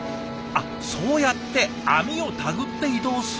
あっそうやって網を手繰って移動するんだ。